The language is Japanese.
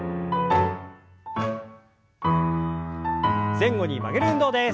前後に曲げる運動です。